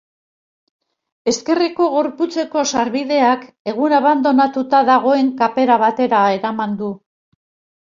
Ezkerreko gorputzeko sarbideak egun abandonatuta dagoen kapera batera ematen du.